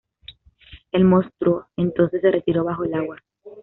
El monstruo entonces se retiró bajo el agua.